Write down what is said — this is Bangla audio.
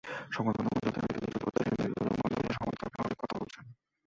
সংবাদমাধ্যমেও যথারীতি কিছু প্রত্যাশিত নেতিবাচক মন্তব্য এসেছে, সমর্থকেরাও অনেক কথা বলছেন।